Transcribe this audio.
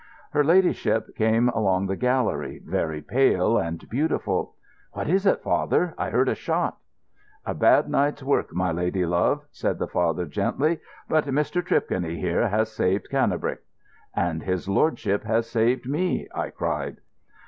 Her ladyship came along the gallery, very pale and beautiful. "What is it, father? I heard a shot." "A bad night's work, my lady love," said the father gently. "But Mr. Tripconey here has saved Cannebrake." "And his lordship has saved me," I cried.